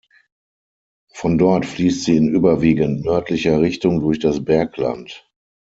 Von dort fließt sie in überwiegend nördlicher Richtung durch das Bergland.